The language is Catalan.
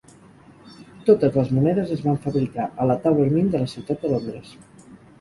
Totes les monedes es van fabricar a la Tower Mint de la ciutat de Londres.